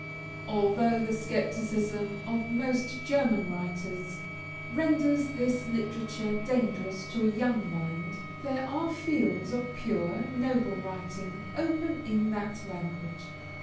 Although the scepticism of most German writers renders this literature dangerous to a young mind, there are fields of pure, noble writing open in that language.